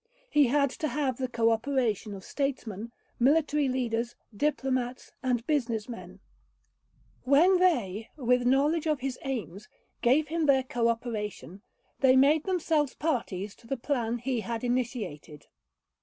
He had to have the co operation of statesmen, military leaders, diplomats, and business men. When they, with knowledge of his aims, gave him their co operation, they made themselves parties to the plan he had initiated.